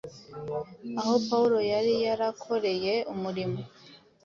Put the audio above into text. aho Pawulo yari yarakoreye umurimo.